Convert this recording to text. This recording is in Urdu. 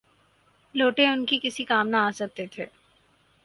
لوٹے ان کے کسی کام نہ آ سکتے تھے۔